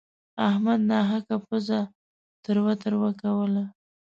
احمد ناحقه پزه تروه تروه کوله.